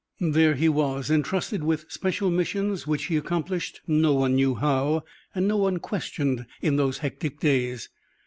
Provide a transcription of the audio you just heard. There he was, entrusted with special missions which he accomplished no one knew how, and no one questioned in those hectic days.